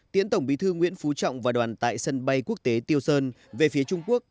tiễn tổng bí thư nguyễn phú trọng và đoàn tại sân bay quốc tế tiêu sơn về phía trung quốc